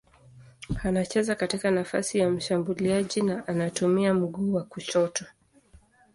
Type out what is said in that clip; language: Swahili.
Anacheza katika nafasi ya mshambuliaji na anatumia mguu wa kushoto.